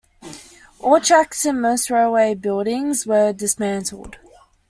All tracks and most railway buildings were dismantled.